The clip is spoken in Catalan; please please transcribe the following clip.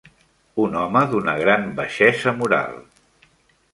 Un home d'una gran baixesa moral.